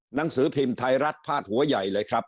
หนังสือพิมพ์ไทยรัฐพาดหัวใหญ่เลยครับ